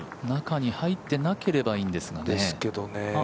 中に入ってなければいいんですけどね。